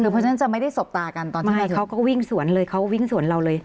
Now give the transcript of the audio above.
เพราะฉะนั้นจะไม่ได้สบตากันตอนที่เขาก็วิ่งสวนเลยเขาวิ่งสวนเราเลย